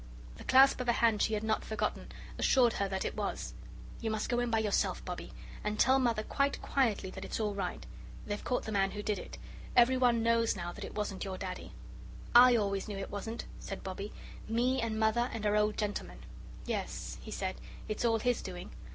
The clasp of a hand she had not forgotten assured her that it was. "You must go in by yourself, Bobbie, and tell Mother quite quietly that it's all right. They've caught the man who did it. Everyone knows now that it wasn't your Daddy." "I always knew it wasn't," said Bobbie. "Me and Mother and our old gentleman." "Yes," he said, "it's all his doing.